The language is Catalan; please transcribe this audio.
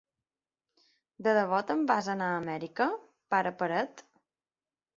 De debò te'n vas anar a Amèrica, pare paret?